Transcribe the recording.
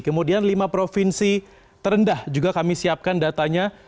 kemudian lima provinsi terendah juga kami siapkan datanya